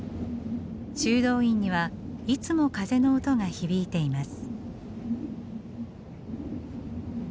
修道院にはいつも風の音が響いています。